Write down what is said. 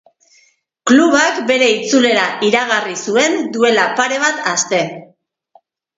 Klubak bere itzulera iragarri zuen duela pare bat aste.